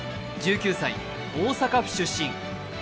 １９歳、大阪府出身。